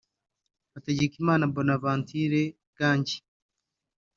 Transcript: Hategekimana Bonaventure Gangi